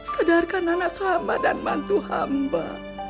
sedarkan anak hamba dan mantu hamba